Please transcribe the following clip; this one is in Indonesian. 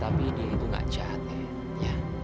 tapi diriku gak jahat nek ya